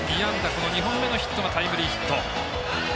この２本目のヒットがタイムリーヒット。